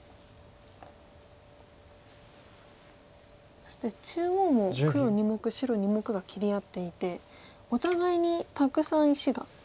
そして中央も黒２目白２目が切り合っていてお互いにたくさん石が。